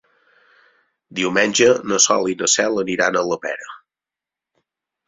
Diumenge na Sol i na Cel aniran a la Pera.